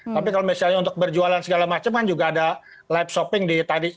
tapi kalau misalnya untuk berjualan segala macam kan juga ada live shopping di tadi